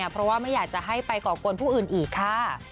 เพราะว่าไม่อยากจะให้ไปก่อกวนผู้อื่นอีกค่ะ